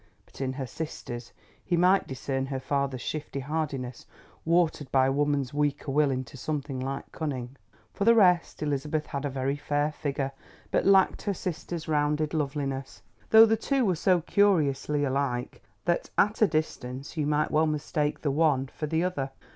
But in her sister's, he might discern her father's shifty hardness watered by woman's weaker will into something like cunning. For the rest Elizabeth had a very fair figure, but lacked her sister's rounded loveliness, though the two were so curiously alike that at a distance you might well mistake the one for the other.